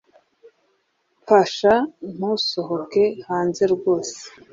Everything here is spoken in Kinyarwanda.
Mfasha ntusohoke hanze rwose